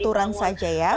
aturan saja ya